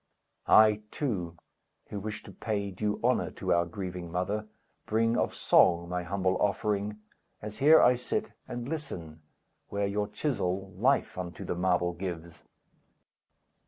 I, too, who wish to pay Due honor to our grieving mother, bring Of song my humble offering, As here I sit, and listen, where Your chisel life unto the marble gives.